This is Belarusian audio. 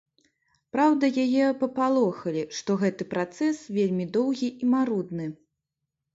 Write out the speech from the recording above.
Праўда, яе папалохалі, што гэты працэс вельмі доўгі і марудны.